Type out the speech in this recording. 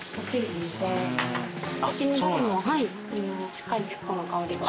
しっかりウッドの香りが。